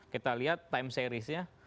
kita lihat time seriesnya